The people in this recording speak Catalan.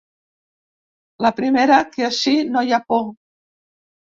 La primera, que ací no hi ha por.